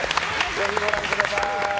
ぜひ、ご覧ください。